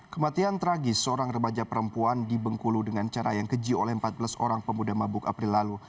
kematian tragis seorang remaja perempuan di bengkulu dengan cara yang keji oleh empat belas orang pemuda mabuk april lalu